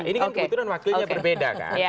ini kan kebetulan waktunya berbeda kan